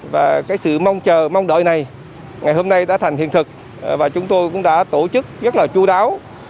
và cái sự mong chờ mong đợi này ngày hôm nay đã thành hiện thực và chúng tôi cũng đã tổ chức rất là chú đáo